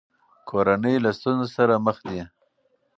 کورنۍ له ستونزو سره مخ دي.